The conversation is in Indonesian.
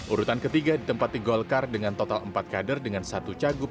urutan ketiga ditempati golkar dengan total empat kader dengan satu cagup